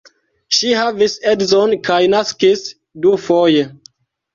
Ŝi havis edzon kaj naskis dufoje.